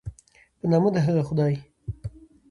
په نامه د هغه خدای